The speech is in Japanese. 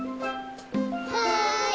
はい。